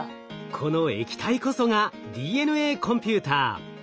この液体こそがＤＮＡコンピューター。